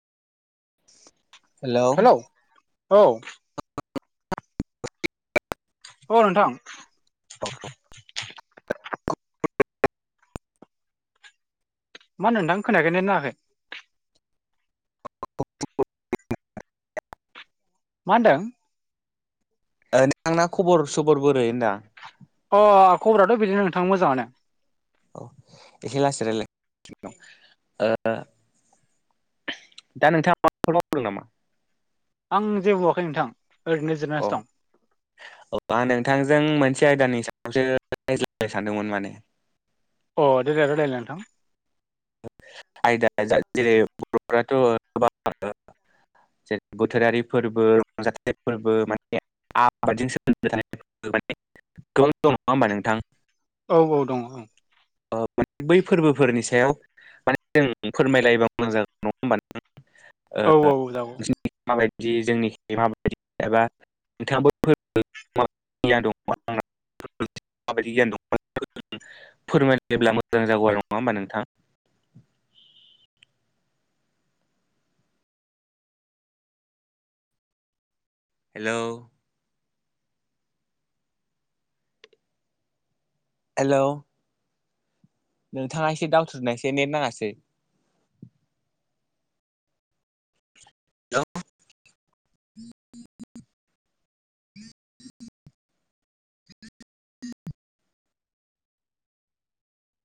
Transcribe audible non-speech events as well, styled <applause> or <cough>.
Hello औ। औ नोंथां। मा होनदों नोंथां खोनायाखै नेट नाङाखै? मा होनदों? ए नोंथां ना खबर सबर बोरै होनदां? अ खबराथ' बिदिनो नोंथां मोजां आनो। औ एसे लासै रायज्लाय थिग दं ओ दा नोंथाङा माबाफोर मावदों नामा? आं जेबो मावाखै नोंथां ओरैनो अ जिरायनानैसो दं। औ आं नोंथांजों मोनसे आयदानि सायावसो रायज्लायनो सानदोंमोन माने। अ दे रायलायलाय नोंथां। आयदा जेरै बर'फ्राथ' गोबां ओ जेरै बोथोरारि फोरबो रंजाथाइ फोरबो माने आबादजों सोमोन्दो थानाय माने गोबां दं नङा होमबा नोंथां। औ औ दंङ ओं। ओ माने बै फोरबोफोरनि सायाव माने जों फोरमायलायोबा मोजां जागोन। नङा होमबा औ नोंथां औ जागौ ओ <unintelligible> मालाय बिदि जोंनिखि माबायदि एबा नोंथाङाबो फोर <unintelligible> फोरमायलाय। जेब्ला मोजां जागौ आरो नङा होमबा नोंथां। हेलौ। हेलौ। नोंथाङा एसे दावथ्रुदनायसाय नेट नाङासै। हेलौ। <unintelligible>